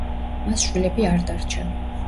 მას შვილები არ დარჩა.